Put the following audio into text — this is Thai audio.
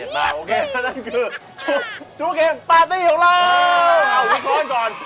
โอเคนั่นคือชุดเกมปาร์ตี้ของเรา